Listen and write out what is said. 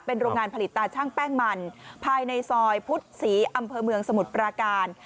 โรงงานผลิตตาชั่งแป้งมันภายในซอยพุทธศรีอำเภอเมืองสมุทรปราการ